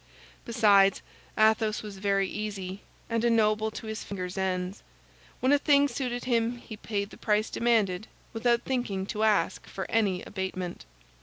Besides, Athos was very easy, and a noble to his fingers' ends. When a thing suited him he paid the price demanded, without thinking to ask for any abatement.